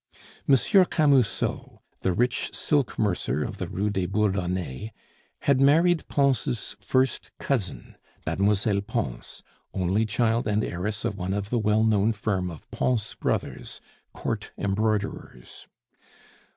M. Camusot, the rich silk mercer of the Rue des Bourdonnais, had married Pons' first cousin, Mlle. Pons, only child and heiress of one of the well known firm of Pons Brothers, court embroiderers.